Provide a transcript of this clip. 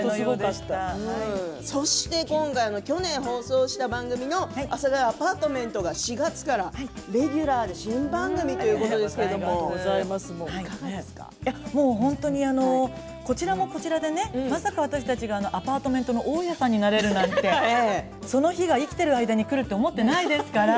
そして去年放送した番組の「阿佐ヶ谷アパートメント」が４月からレギュラーで新番組ということですけれどもこちらもこちらでねまさか私たちがアパートメントの大家さんになれるなんてその日が生きている間にくるって思っていないですから。